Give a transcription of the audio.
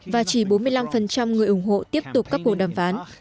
và chỉ bốn mươi năm người ủng hộ tiếp tục các cuộc đàm phán